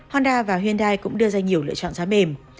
honda và hyundai cũng đưa ra nhiều lựa chọn giá mềm